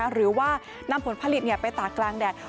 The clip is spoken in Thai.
หรือว่านำผลผลิตไปตากกลางแดด